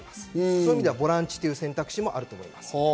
そういう意味でボランチという選択肢もあると思います。